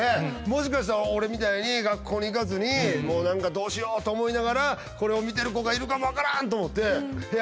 もしかしたら俺みたいに学校に行かずにどうしよう？と思いながらこれを見てる子がいるかも分からん！